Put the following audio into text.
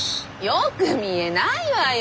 よく見えないわよ